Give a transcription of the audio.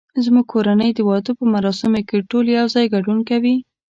زمونږ کورنۍ د واده په مراسمو کې ټول یو ځای ګډون کوي